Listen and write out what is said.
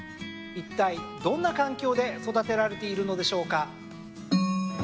いったいどんな環境で育てられているのでしょうか。